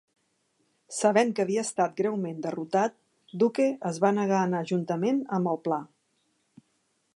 Sabent que havia estat greument derrotat, Duque es va negar a anar juntament amb el pla.